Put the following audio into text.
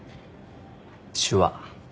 手話。